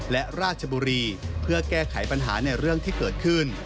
และราชบุรีเพื่อแก้ไขปัญหาในเรื่องที่เกิดขึ้น